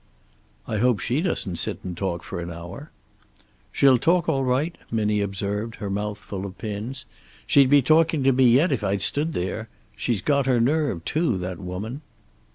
"I hope she doesn't sit and talk for an hour." "She'll talk, all right," Minnie observed, her mouth full of pins. "She'd be talking to me yet if I'd stood there. She's got her nerve, too, that woman."